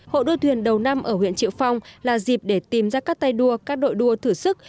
hội đua thuyền đầu năm ở huyện triệu phong là dịp để tìm ra các tay đua các đội đua thử sức